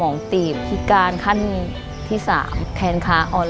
รายการต่อไปนี้เป็นรายการทั่วไปสามารถรับชมได้ทุกวัย